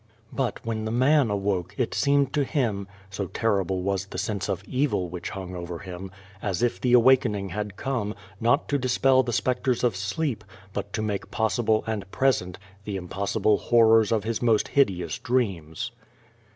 But when the man awoke it seemed to him so terrible was the sense of evil which hung over him as if the awakening had come, not to dispel the spectres of sleep, but to make possible and present the impossible horrors of his most hideous dreams.